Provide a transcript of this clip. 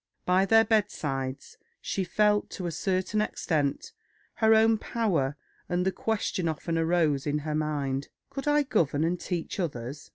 By their bedsides she felt, to a certain extent, her own power, and the question often arose in her mind, "Could I govern and teach others?"